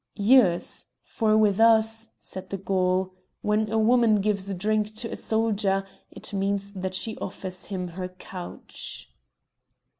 "Yours! for with us," said the Gaul, "when a woman gives drink to a soldier, it means that she offers him her couch."